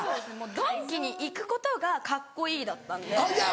ドンキに行くことがカッコいいだったんで。